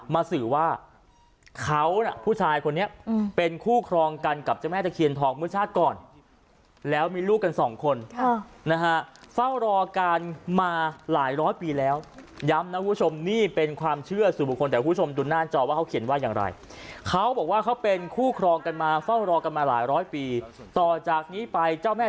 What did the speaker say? สื่อว่าเขาน่ะผู้ชายคนนี้เป็นคู่ครองกันกับเจ้าแม่ตะเคียนทองเมื่อชาติก่อนแล้วมีลูกกันสองคนนะฮะเฝ้ารอการมาหลายร้อยปีแล้วย้ำนะคุณผู้ชมนี่เป็นความเชื่อสู่บุคคลแต่คุณผู้ชมดูหน้าจอว่าเขาเขียนว่าอย่างไรเขาบอกว่าเขาเป็นคู่ครองกันมาเฝ้ารอกันมาหลายร้อยปีต่อจากนี้ไปเจ้าแม่